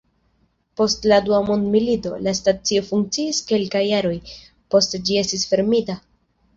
Post la Dua Mondmilito, la stacio funkciis kelkaj jaroj, poste ĝi estis fermita.